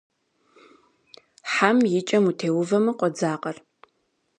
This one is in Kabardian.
Хьэм и кӏэм утеувэмэ, къодзакъэр.